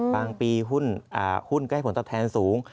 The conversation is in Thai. ปีหุ้นก็ให้ผลตอบแทนสูง